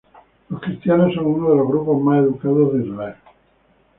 Los cristianos son uno de los grupos más educados de Israel.